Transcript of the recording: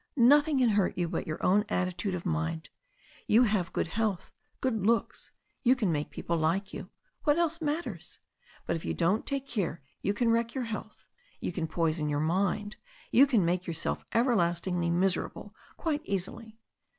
Nothing can hurt you but your own attitude of mind. You have good health, good looks, you can make people like you. What else matters? But if you don't take care you can wreck your health, you can poison your mind, you can make yourself everlastingly miserable quite easily.